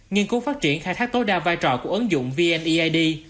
nghiên cứu phát triển khai thác tối đa vai trò của ứng dụng vneid